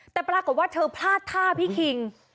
แต่ปรากฏว่าเธอพลาดท่าพี่คิง